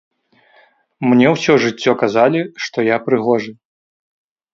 Мне ўсё жыццё казалі, што я прыгожы.